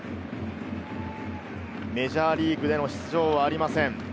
メジャーリーグでの出場はありません。